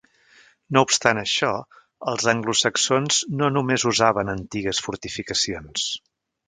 No obstant això, els anglosaxons no només usaven antigues fortificacions.